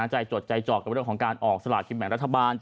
จดใจจอกกับเรื่องของการออกสลากินแบ่งรัฐบาล